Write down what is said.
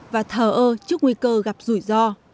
và thờ ơ trước nguy cơ gặp rủi ro